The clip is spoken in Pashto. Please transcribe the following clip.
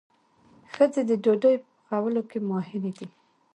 ښځې د ډوډۍ په پخولو کې ماهرې دي.